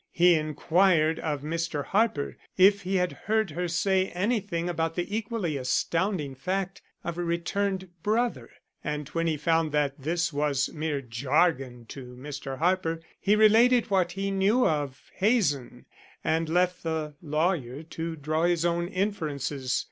He inquired of Mr. Harper if he had heard her say anything about the equally astounding fact of a returned brother, and when he found that this was mere jargon to Mr. Harper, he related what he knew of Hazen and left the lawyer to draw his own inferences.